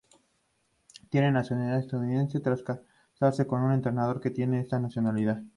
Tiene nacionalidad estadounidense tras casarse con su entrenador que tiene esa nacionalidad.